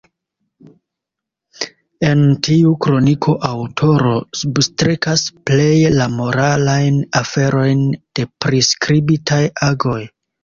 En tiu kroniko aŭtoro substrekas pleje la moralajn aferojn de priskribitaj agoj.